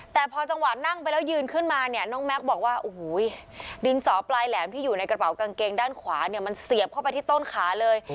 แต่พอจังหวะนั่งไปแล้วยืนขึ้นมาเนี่ยน้องแม็กซ์บอกว่าโอ้โหดินสอปลายแหลมที่อยู่ในกระเป๋ากางเกงด้านขวาเนี่ยมันเสียบเข้าไปที่ต้นขาเลย